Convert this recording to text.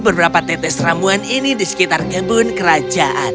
beberapa tetes ramuan ini di sekitar kebun kerajaan